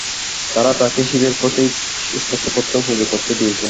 তারা তাঁকে শিবের প্রতীক স্পর্শ করতে ও পূজা করতে দিয়েছে।